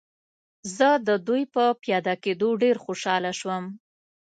زه د دوی په پیاده کېدو ډېر خوشحاله شوم.